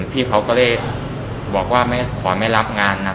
พี่เขาก็เลยบอกว่าขอไม่รับงานนะครับ